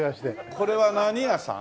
これは何屋さん？